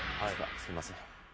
すいません。